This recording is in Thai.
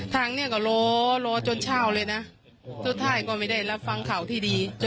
ทางนี้ก็รอรอจนเช้าเลยนะสุดท้ายก็ไม่ได้รับฟังข่าวที่ดี